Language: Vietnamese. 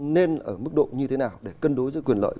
nên ở mức độ như thế nào để cân đối giữa quyền lợi